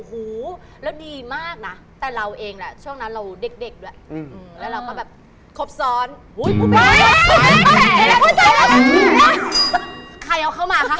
คนมีตังอยู่แล้ว